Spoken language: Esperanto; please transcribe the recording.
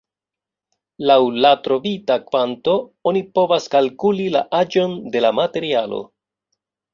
Laŭ la trovita kvanto oni povas kalkuli la aĝon de la materialo.